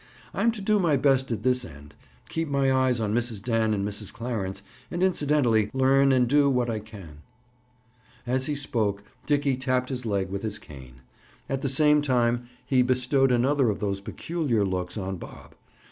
I'm to do my best at this end. Keep my eyes on Mrs. Dan and Mrs. Clarence, and incidentally, learn and do what I can." As he spoke Dickie tapped his leg with his cane; at the same time he bestowed another of those peculiar looks on Bob.